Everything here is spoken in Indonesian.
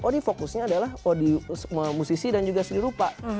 oh ini fokusnya adalah musisi dan juga seni rupa